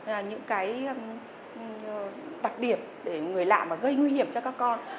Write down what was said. là những cái đặc điểm để người lạ mà gây nguy hiểm cho các con